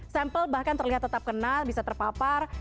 sample bahkan terlihat tetap kena bisa terpapar